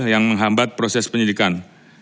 yang menghambat proses penyidikan